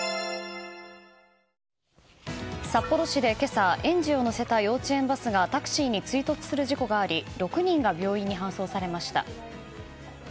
札幌市で今朝園児を乗せた幼稚園バスがタクシーに追突する事故があり６人が病院に搬送されました。